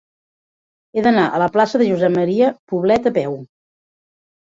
He d'anar a la plaça de Josep M. Poblet a peu.